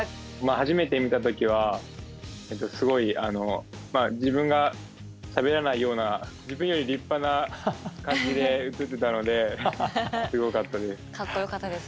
初めて見た時はすごい自分がしゃべらないような自分より立派な感じで映ってたのですごかったです。